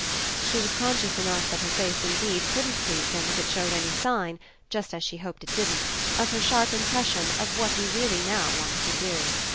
She was conscious enough that her face indeed couldn't please him if it showed any sign just as she hoped it didn't of her sharp impression of what he now really wanted to do.